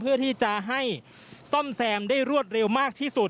เพื่อที่จะให้ซ่อมแซมได้รวดเร็วมากที่สุด